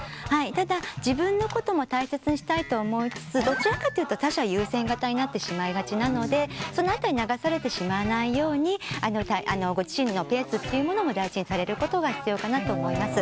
ただ自分のことも大切にしたいと思いつつどちらかというと他者優先型になってしまいがちなのでその辺り流されてしまわないようにご自身のペースっていうものも大事にされることが必要かなと思います。